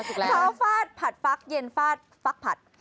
เช้าฟาดผัดฟักเย็นฟาดฟักผัด